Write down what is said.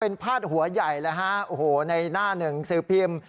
เป็นพาดหัวใหญ่แล้วฮะโอ้โหในหน้าหนึ่งสือพิมพ์